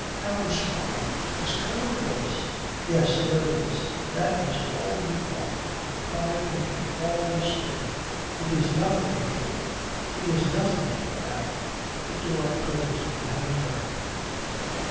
Harry's father is Colonel Boyce ?" "Yes, there it is. That is all you want to pry into all the story. It is nothing to you. He is nothing to you now." The door closed behind her.